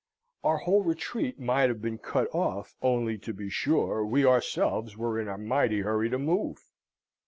Our whole retreat might have been cut off, only, to be sure, we ourselves were in a mighty hurry to move.